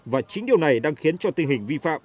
và chính điều này đang khiến cho tình hình vi phạm